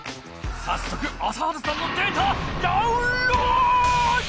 さっそく朝原さんのデータダウンロード！